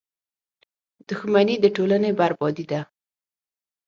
• دښمني د ټولنې بربادي ده.